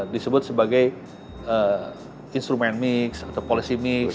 disebut sebagai instrumen mix atau policy mix